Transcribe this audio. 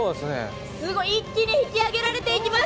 一気に引き上げられていきます。